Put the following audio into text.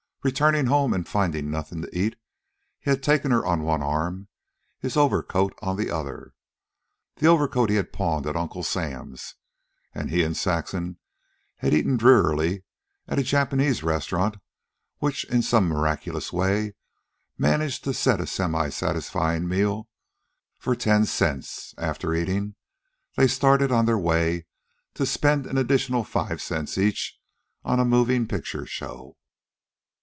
Returning home and finding nothing to eat, he had taken her on one arm, his overcoat on the other. The overcoat he had pawned at Uncle Sam's, and he and Saxon had eaten drearily at a Japanese restaurant which in some miraculous way managed to set a semi satisfying meal for ten cents. After eating, they started on their way to spend an additional five cents each on a moving picture show.